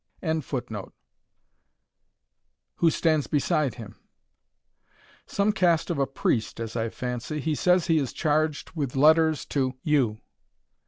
] who stands beside him?" "Some cast of a priest as I fancy he says he is charged with letters to you."